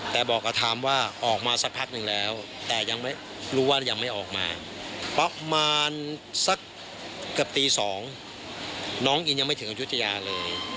แต่บอกกับไทม์ว่าออกมาสักพักหนึ่งแล้วแต่ยังไม่รู้ว่ายังไม่ออกมาประมาณสักเกือบตี๒น้องอินยังไม่ถึงอายุทยาเลย